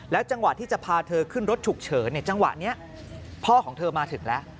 จังหวะที่จะพาเธอขึ้นรถฉุกเฉินจังหวะนี้พ่อของเธอมาถึงแล้ว